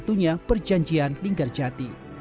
dengan perjanjian linggar jati